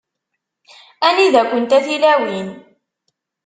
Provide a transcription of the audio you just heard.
Anida-kent a tilawin?